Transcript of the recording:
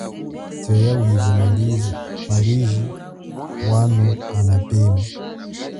Tweya wive maliji wano anapema.